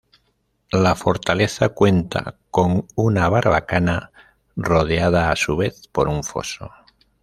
La fortaleza cuenta con una barbacana rodeada a su vez por un foso.